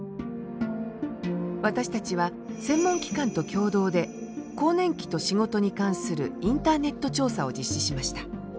私たちは専門機関と共同で更年期と仕事に関するインターネット調査を実施しました。